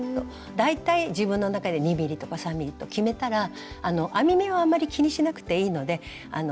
大体自分の中で２ｍｍとか３ｍｍと決めたら編み目はあんまり気にしなくていいのでどんどんすくっていって下さい。